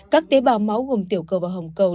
các tế bào máu gồm tiểu cầu và hồng cầu